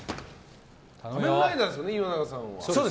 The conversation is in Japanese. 仮面ライダーですよね岩永さんは。